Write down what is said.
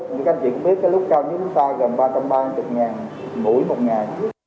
các anh chị cũng biết cái lúc cao nhất chúng ta gần ba trăm ba mươi mũi một ngày